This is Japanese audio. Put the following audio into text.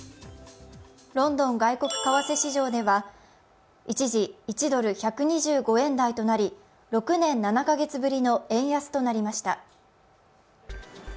ロンドン外国為替市場では一時１ドル＝１２５円台となり、６年７カ月ぶりの円安となりました。